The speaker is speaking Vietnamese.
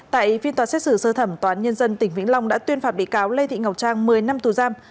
tại phiên tòa xét xử sơ thẩm toán nhân dân tỉnh vĩnh long đã tuyên phạt bị cáo lê thị ngọc trang một mươi năm tù giam